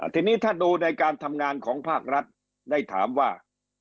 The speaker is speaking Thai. ทีนี้ถ้าดูในการทำงานของภาครัฐได้ถามว่า